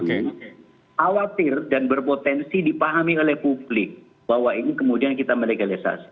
khawatir dan berpotensi dipahami oleh publik bahwa ini kemudian kita melegalisasi